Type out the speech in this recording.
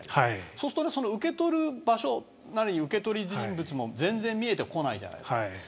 そうすると受け取る場所なり受け取りの人物も全然見えてこないじゃないですか。